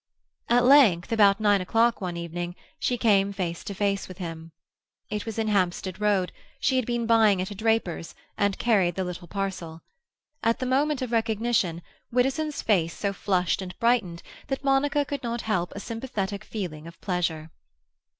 At length, about nine o'clock one evening, she came face to face with him. It was in Hampstead Road; she had been buying at a draper's, and carried the little parcel. At the moment of recognition, Widdowson's face so flushed and brightened that Monica could not help a sympathetic feeling of pleasure.